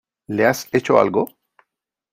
¿ le has hecho algo ?